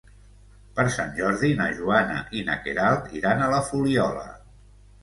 Per Sant Jordi na Joana i na Queralt iran a la Fuliola.